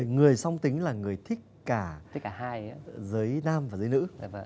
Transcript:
người song tính là người thích cả giới nam và giới nữ